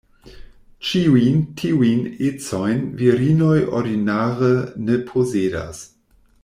Ĉiujn tiujn ecojn virinoj ordinare ne posedas.